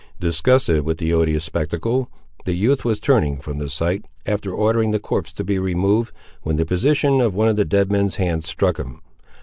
Disgusted with the odious spectacle, the youth was turning from the sight, after ordering the corpse to be removed, when the position of one of the dead man's hands struck him.